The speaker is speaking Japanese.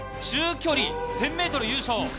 中距離１０００ｍ優勝。